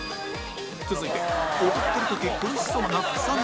続いて踊ってる時苦しそうな草薙